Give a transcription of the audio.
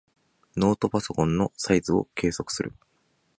ノートパソコンのサイズを計測する。